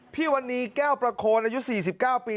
พี่วันนี้แก้วประโคนอายุ๔๙ปี